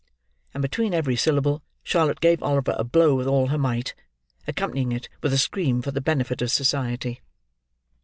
And between every syllable, Charlotte gave Oliver a blow with all her might: accompanying it with a scream, for the benefit of society.